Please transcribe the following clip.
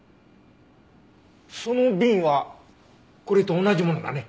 その瓶はこれと同じものだね。